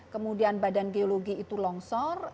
kemudian badan geologi itu longsor